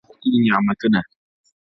بېخبره مي هېر کړي نعمتونه-